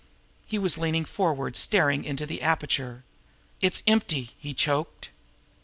He was leaning forward, staring into the aperture. "It's empty!" he choked.